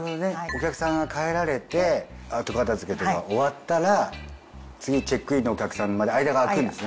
お客さんが帰られて後片付けとか終わったら次チェックインのお客さんまで間が空くんですね。